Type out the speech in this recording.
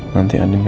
saya tam arrogasi